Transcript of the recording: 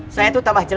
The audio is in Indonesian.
saya tuh tambah jelas